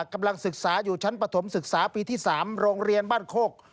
กำลังศึกษาอยู่ชั้นปฐมศึกษาปีที่๓โรงเรียนบ้านโคก